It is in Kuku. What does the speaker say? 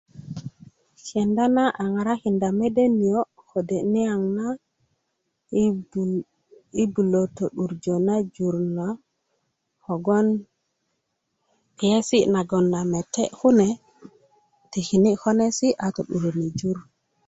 kenda na a ŋarakinda mede niyo' kode' niaŋ na i bu i bulö to'durjö na jur lo kogwon kpiyesi' nagon a mete' kune tikini' i konesi' a to'duröni jur